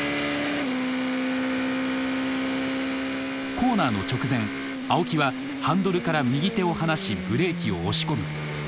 コーナーの直前青木はハンドルから右手を離しブレーキを押し込む。